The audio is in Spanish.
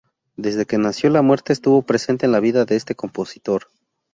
Desde que nació la muerte estuvo presente en la vida de este compositor.